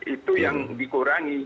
itu yang dikurangi